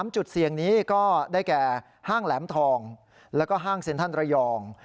จุดเสี่ยงนี้ก็ได้แก่ห้างแหลมทองแล้วก็ห้างเซ็นทรัลระยอง